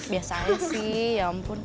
biasanya sih ya ampun